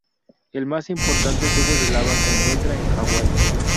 El más importante tubo de lava se encuentra en Hawaii.